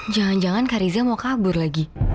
jangan jangan kak riza mau kabur lagi